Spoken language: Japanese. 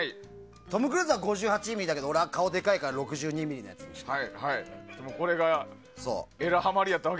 トム・クルーズは５８ミリだけど俺は顔でかいから６２ミリのやつにして。